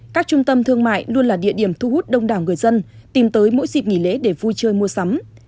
các trung tâm thương mại luôn là địa điểm thu hút đông đảo người dân tìm tới mỗi dịp nghỉ lễ để vui chơi mua sắm